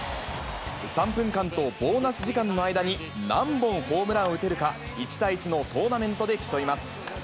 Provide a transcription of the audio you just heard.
３分間とボーナス時間の間に何本ホームランを打てるか１対１のトーナメントで競います。